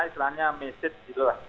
istilahnya message gitu lah